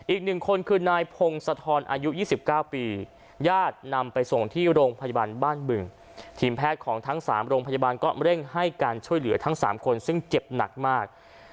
อีกหนึ่งคนคือนายพงศธรอายุ๒๙ปีญาตินำไปส่งที่โรงพยาบาลบ้านบึงทีมแพทย์ของทั้ง๓โรงพยาบาลก็เร่งให้การช่วยเหลือทั้ง๓คนซึ่งเจ็บหนักมาก